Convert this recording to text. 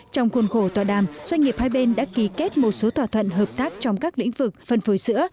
trong khuôn khổ tọa đàm doanh nghiệp hai bên đã ký kết một số thỏa thuận hợp tác trong các lĩnh vực phân phối sữa